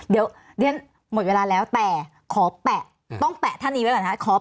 เดี๋ยวที่นั้นหมดเวลาแล้วแต่ขอแปะท่านีไว้ก่อนนะครับ